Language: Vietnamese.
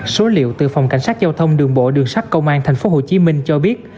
số liệu từ phòng cảnh sát giao thông đường bộ đường sắt công an tp hcm cho biết